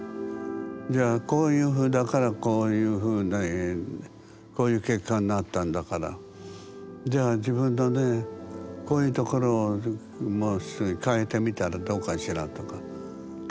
じゃあこういうふうだからこういうふうにこういう結果になったんだからじゃあ自分のねこういうところをもう少し変えてみたらどうかしらとか。